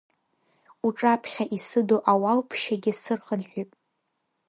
Уҿаԥхьа исыду ауалԥшьагьы сырхынҳәып.